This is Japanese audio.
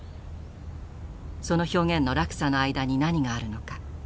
その表現の落差の間に何があるのか。